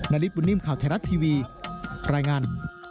นายริปุ่นนิ่มข่าวแทนรัฐทีวีรายงาน